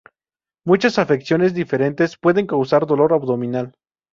Muchas afecciones diferentes pueden causar dolor abdominal.